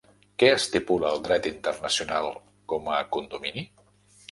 Què estipula el dret internacional com a condomini?